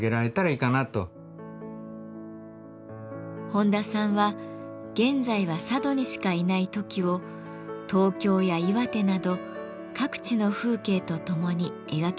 本多さんは現在は佐渡にしかいないトキを東京や岩手など各地の風景とともに描き続けてきました。